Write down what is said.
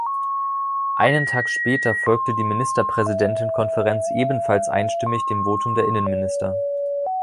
Einen Tag später folgte die Ministerpräsidentenkonferenz ebenfalls einstimmig dem Votum der Innenminister.